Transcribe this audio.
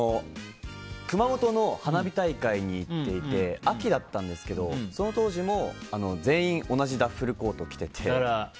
熊本の花火大会に行っていて秋だったんですけど、その当時も全員同じダッフルコートを着てて。